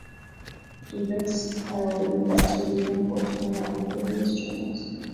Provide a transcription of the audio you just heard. Dubic's priority was to revamp or turn around the various channels.